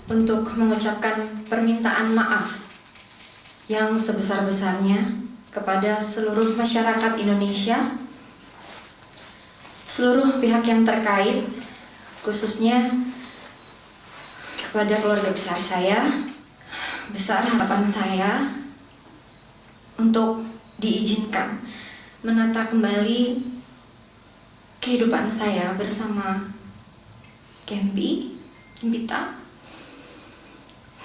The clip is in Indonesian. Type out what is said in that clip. untuk mengucapkan permintaan maaf yang sebesar besarnya kepada seluruh masyarakat indonesia seluruh pihak yang terkait khususnya kepada keluarga besar saya besar harapan saya untuk diizinkan menata kembali kehidupan saya bersama gempi gempita dan giselle